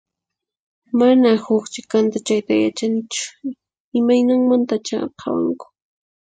Mana huq chikanta chayta yachanichu, imaynanmantachá qhawanku.